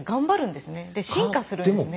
で進化するんですね。